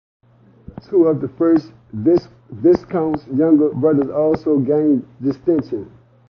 Two of the first Viscount's younger brothers also gained distinction.